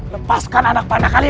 lepaskan anak mana kalian